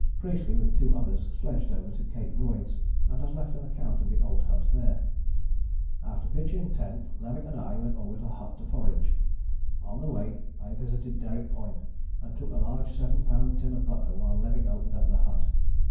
Priestley with two others sledged over to Cape Royds and has left an account of the old hut there: "After pitching tent Levick and I went over to the hut to forage. On the way I visited Derrick Point and took a large seven pound tin of butter while Levick opened up the hut.